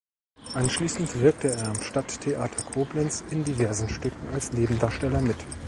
Anschließend wirkte er am Stadttheater Koblenz in diversen Stücken als Nebendarsteller mit.